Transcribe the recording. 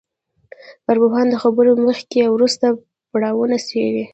ارواپوهنه د خبرو مخکې او وروسته پړاوونه څېړي